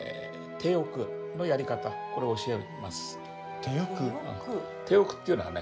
手浴っていうのはね